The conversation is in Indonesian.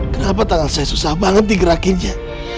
kenapa tangan saya susah banget digerakin ya